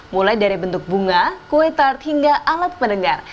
mulai dari bentuk bunga kue tart hingga alat pendengar